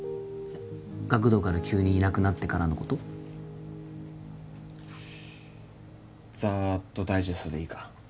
学童から急にいなくなってからのことザーッとダイジェストでいいか？